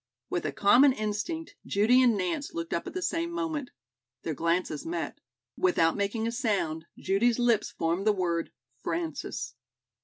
With a common instinct, Judy and Nance looked up at the same moment. Their glances met. Without making a sound, Judy's lips formed the word "Frances."